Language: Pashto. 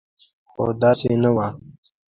خو داسې نه وه.